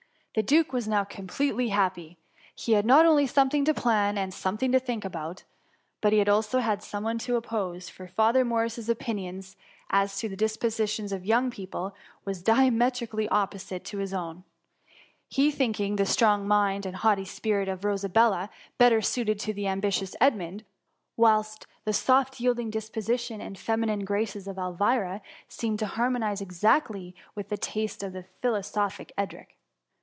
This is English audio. The duke was now completely happy : he had not only something to plan, and something to think about, but he had also some one to oppose, for Father Morris's opinion as to the dispositions of the young people, was diametrically opposite ^gsmmm^ THE MUMMY. 53 to his own ; he thinking the strong mind and haughty spirit of Rosabella better suited to the ambitious Edmund, whilst the soft yielding disposition and feminine graces of Elvira seem ed to harmonize exactly with the taste of the philosophic Edric.